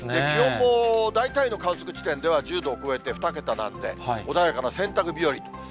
気温も大体の観測地点では１０度を超えて、２桁なんで、穏やかな洗濯日和と。